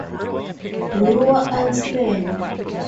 Brewer Island